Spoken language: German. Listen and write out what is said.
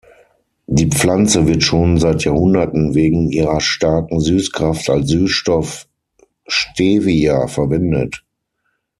Die Pflanze wird schon seit Jahrhunderten wegen ihrer starken Süßkraft als Süßstoff Stevia verwendet.